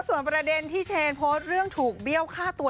ส่วนประเด็นที่เชนโพสต์เรื่องถูกเบี้ยวฆ่าตัว